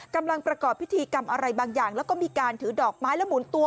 กำลังประกอบพิธีกรรมอะไรบางอย่างแล้วก็มีการถือดอกไม้และหมุนตัว